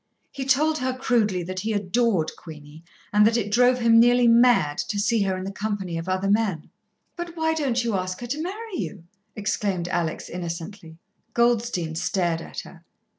He told her crudely that he adored Queenie, and that it drove him nearly mad to see her in the company of other men. "But why don't you ask her to marry you?" exclaimed Alex innocently. Goldstein stared at her.